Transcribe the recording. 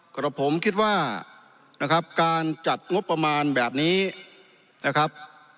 กระผมคิดว่านะครับการจัดงบประมาณแบบนี้นะครับ